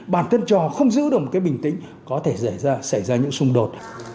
bản thân trò không giữ được một cái bình tĩnh có thể xảy ra những xung đột